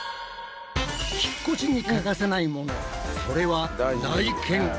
引っ越しに欠かせないものそれは内見！